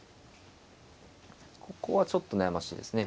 ここはちょっと悩ましいですね。